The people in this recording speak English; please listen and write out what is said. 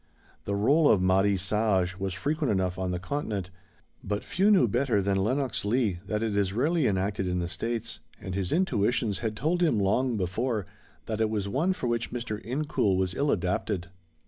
The rôle of mari sage was frequent enough on the Continent, but few knew better than Lenox Leigh that it is rarely enacted in the States, and his intuitions had told him long before that it was one for which Mr. Incoul was ill adapted.